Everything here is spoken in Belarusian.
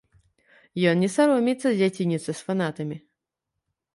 Ён не саромеецца дзяцініцца з фанатамі.